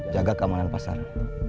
jaga keamanan pasar